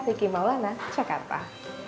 siki maulana jakarta